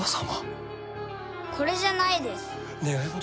これじゃないです。